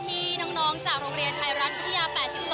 ที่น้องจากโรงเรียนไทยรัฐวิทยา๘๒